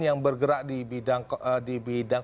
yang bergerak di bidang